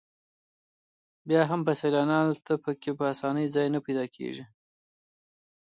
بیا هم سیلانیانو ته په کې په اسانۍ ځای نه پیدا کېږي.